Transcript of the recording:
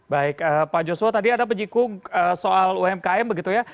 baik pak joshua tadi ada penyikung soal umkm begitu ya